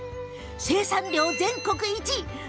生産量は全国１位。